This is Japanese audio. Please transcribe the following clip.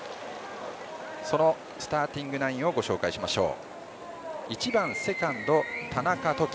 そのスターティングナインをご紹介しましょう。